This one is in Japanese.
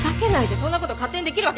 そんなこと勝手にできるわけ。